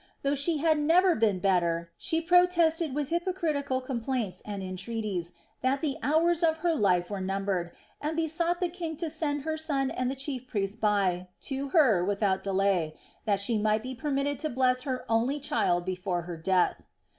Though she had never been better, she protested with hypocritical complaints and entreaties, that the hours of her life were numbered, and besought the king to send her son and the chief priest Bai to her without delay, that she might be permitted to bless her only child before her death.